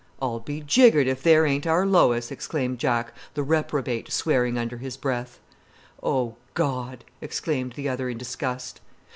"I'll be jiggered if there ain't our Lois!" exclaimed Jack, the reprobate, swearing under his breath. "Oh, God!" exclaimed the other in disgust.